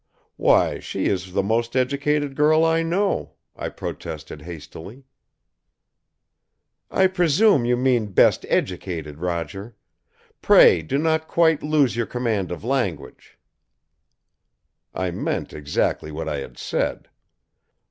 "Why, she is the most educated girl I know," I protested hastily. "I presume you mean best educated, Roger. Pray do not quite lose your command of language." I meant exactly what I had said.